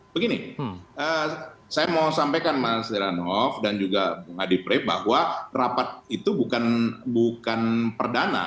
begini saya mau sampaikan mas ranoff dan juga bang adi praip bahwa rapat itu bukan perdana